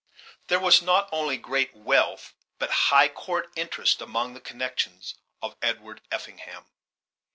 There was not only great wealth but high court interest among the connections of Edward Effingham.